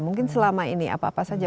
mungkin selama ini apa apa saja